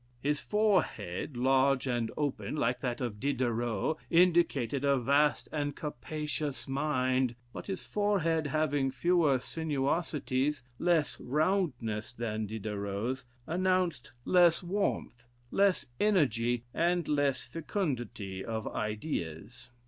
His forehead, large and open, like that of Diderot, indicated a vast and capacious mind; but his forehead having fewer sinuosities, less roundness than Diderot's, announced less warmth, less energy, and less fecundity of ideas.